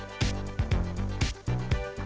justru lebih menyulitkan